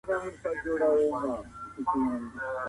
د زده کړي له لاري د انسان شخصیت جوړېږي.